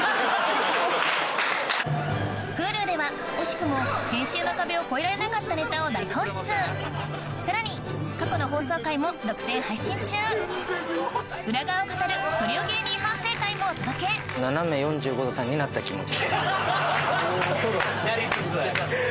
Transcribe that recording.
Ｈｕｌｕでは惜しくも編集の壁を越えられなかったネタを大放出さらに過去の放送回も独占配信中裏側を語るトリオ芸人反省会もお届けななめ４５°さんになった気持ち。